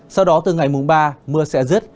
sau đó từ ngày mùng ba mưa sẽ rứt